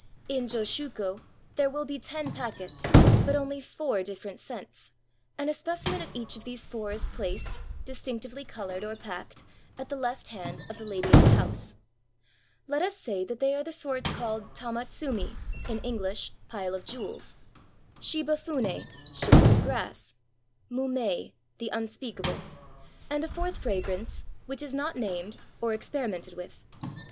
In joss huko there will be ten packets, but only four different scents, and a specimen of each of these four is placed, distinctively colored or packed, at the left hand of the lady of the house. Let us say that they are the sorts called tamatsumi, in English, pile of jewels; shibafune, ships of grass; mumei, the unspeakable; and a fourth fragrance, which is not named or experimented with.